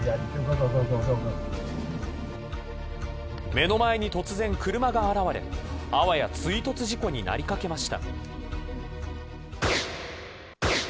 目の前に突然、車が現れあわや追突事故になりかけました。